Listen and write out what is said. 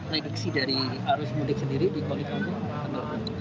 prediksi dari arus mudik sendiri di polikarpus